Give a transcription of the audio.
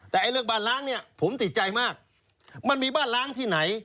แต่เรื่องบ้านล้างเนี่ยผมติดใจมากมันมีบ้านล้างที่ไหน